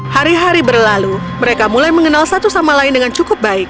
hari hari berlalu mereka mulai mengenal satu sama lain dengan cukup baik